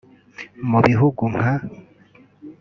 Mu bihugu nka